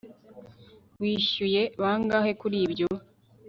wishyuye bangahe kuri ibyo